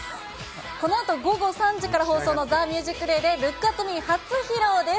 このあと午後３時から放送のＴＨＥＭＵＳＩＣＤＡＹで、ルックアットミー初披露です。